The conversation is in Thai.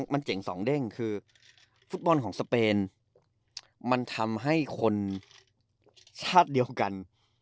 มันเจ๋งสองเด้งคือฟุตบอลของสเปนมันทำให้คนชาติเดียวกัน